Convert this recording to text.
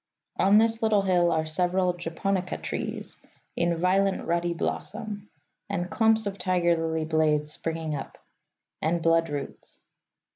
On this little hill are several japonica trees, in violent ruddy blossom; and clumps of tiger lily blades springing up; and bloodroots.